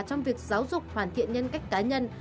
trong việc giáo dục hoàn thiện nhân cách cá nhân